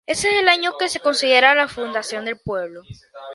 Ese es el año que se considera de fundación del pueblo.